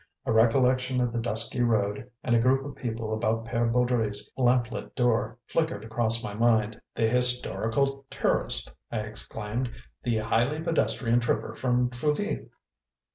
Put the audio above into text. A recollection of the dusky road and a group of people about Pere Baudry's lamplit door flickered across my mind. "The historical tourist!" I exclaimed. "The highly pedestrian tripper from Trouville!"